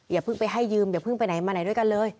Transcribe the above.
อย่าเพิ่งไปให้ยืมอย่าเพิ่งไปไหนมาไหนด้วยกันเลย